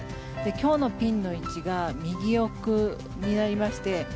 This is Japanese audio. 今日のピンの位置が右奥になりまして